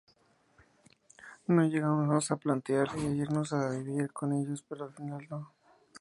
Nos llegamos a plantear irnos a vivir con ellos pero al final no.